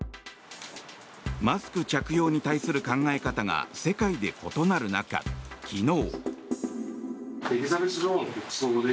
マスク着用に対する考え方が世界で異なる中、昨日。